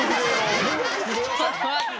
ちょっとまって！